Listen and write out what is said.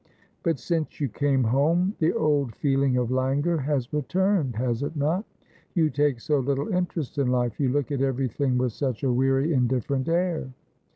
' But since you came home the old feeling of languor has returned, has it not ? You take so little interest in life ; you look at everything with such a weary indifferent air.'